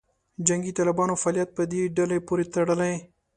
جنګي طالبانو فعالیت په دې ډلې پورې تړلې.